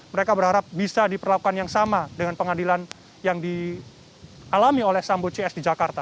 mereka berharap bisa diperlakukan yang sama dengan pengadilan yang dialami oleh sambo cs di jakarta